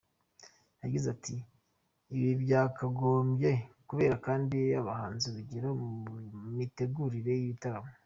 Yagize ati :’’Ibi byakagombye kubera abandi bahanzi urugero mu mitegurire y’ibitaramo’’.